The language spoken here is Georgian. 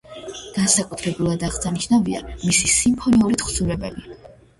განსაკუთრებულად აღსანიშნავია მისი სიმფონიური თხზულებები.